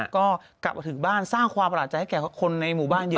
ก็กลับมาถึงบ้านสร้างความประหลาดใจให้แก่คนในหมู่บ้านเยอะ